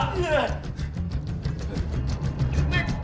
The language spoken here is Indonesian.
amun amun amun